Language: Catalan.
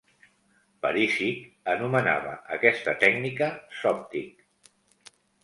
Perisic anomenava aquesta tècnica "Zoptic".